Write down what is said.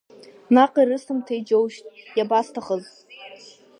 Наҟ ирысымҭеи, џьоушьҭ, иабасҭахыз!